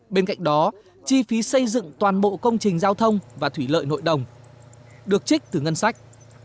bên cạnh đó chi phí xây dựng toàn bộ công trình giao thông và thủy lợi nội đồng được trích từ ngân sách